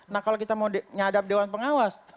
nah kalau kita mau nyadap dewan pengawas